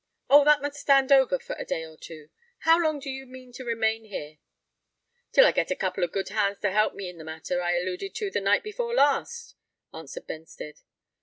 "Oh! that must stand over for a day or two. How long do you mean to remain here?" "Till I get a couple of good hands to help me in the matter I alluded to the night before last," answered Benstead.